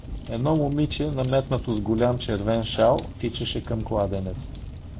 “ Едно момиче, наметнато с голям червен шал, тичаше към кладенеца.